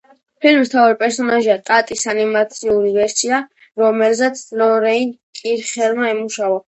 ფილმის მთავარი პერსონაჟია ტატის ანიმაციური ვერსია, რომელზეც ლორენ კირხერმა იმუშავა.